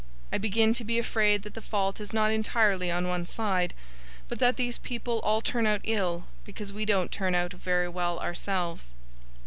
I begin to be afraid that the fault is not entirely on one side, but that these people all turn out ill because we don't turn out very well ourselves.